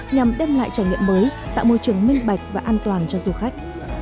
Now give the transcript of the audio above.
nhằm đem lại trải nghiệm mới tạo môi trường minh bạch và an toàn cho du khách